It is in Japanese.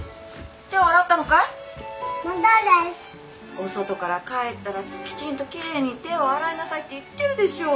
お外から帰ったらきちんときれいに手を洗いなさいって言ってるでしょう。